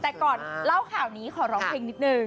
แต่ก่อนเล่าข่าวนี้ขอร้องเพลงนิดนึง